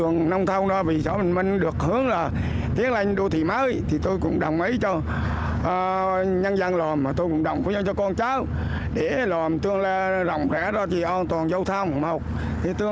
nhân dân quy ra thì cũng rất cô